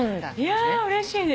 いやうれしいね。